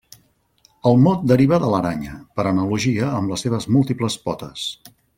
El mot deriva de l'aranya, per analogia amb les seves múltiples potes.